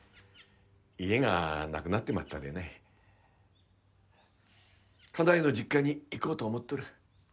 家がなくなってまったでね家内の実家に行こうと思っとる。